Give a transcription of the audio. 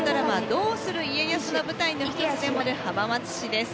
「どうする家康」の舞台の１つでもある浜松市です。